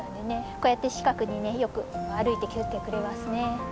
こうやって近くにねよく歩いてきてくれますね。